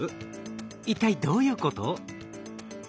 一体どういうこと？